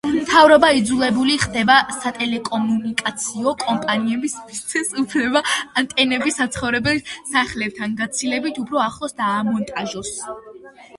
მთავრობა იძულებული ხდება, სატელეკომუნიკაციო კომპანიებს მისცეს უფლება ანტენები საცხოვრებელ სახლებთან გაცილებით უფრო ახლოს დაამონტაჟოს.